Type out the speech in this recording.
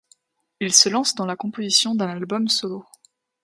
Il se lance dans la composition d'un album solo.